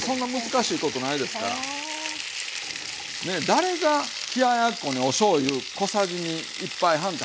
誰が冷ややっこにおしょうゆ小さじ１杯半って量ります？